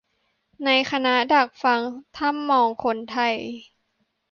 ในคณะดักฟังถ้ำมองคนไทย